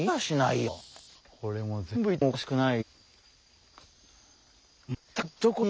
これも全部いてもおかしくない。